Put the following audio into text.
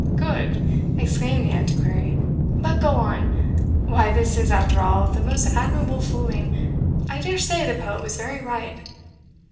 good!" exclaimed the Antiquary; "but go on. Why, this is, after all, the most admirable fooling I dare say the poet was very right.